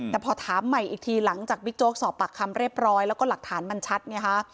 แต่พอถามใหม่อีกทีหลังจากบิ๊กโจ๊กสอบปากคำเรียบร้อยแล้วก็หลักฐานมันชัดไงฮะ